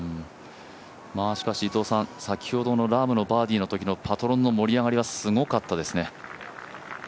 しかし伊藤さん、先ほどのラームのバーディーのときのパトロンの盛り上がりはすごかったですね。